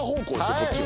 こっちは。